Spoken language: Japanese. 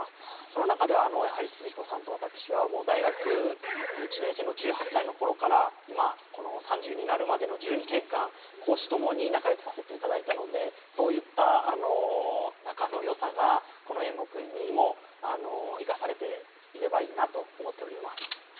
その中でやはり寿々彦さんと私は大学１年生の１８歳の頃から今この３０になるまでの１２年間公私ともに仲良くさせていただいたのでそういった仲の良さがこの演目にも生かされていればいいなと思っております。